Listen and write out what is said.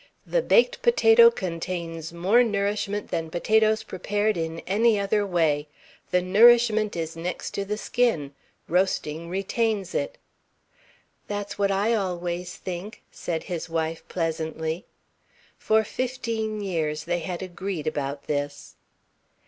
The baked potato contains more nourishment than potatoes prepared in any other way. The nourishment is next to the skin. Roasting retains it." "That's what I always think," said his wife pleasantly. For fifteen years they had agreed about this.